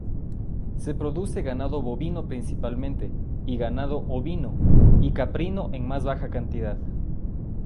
Se produce ganado bovino principalmente, y ganado ovino y caprino en más baja cantidad.